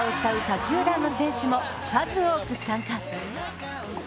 球団の選手も数多く参加。